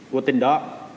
của tỉnh đó